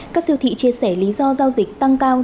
các siêu thị chia sẻ lý do giao dịch tăng cao